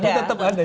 tapi tetap ada